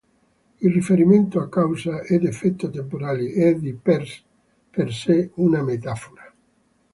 Il riferimento a causa ed effetto temporali è di per sé una metafora.